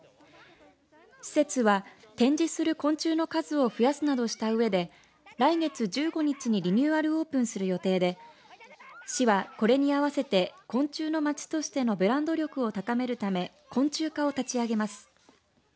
施設は、展示する昆虫の数を増やすなどしたうえで来月１５日にリニューアルオープンする予定で市は、これに合わせて昆虫の街としてのブランド力を高めるため昆虫課を立ち上げます。